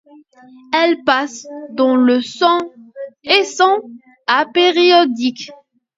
Elles passent dans le sang et sont apériodiques.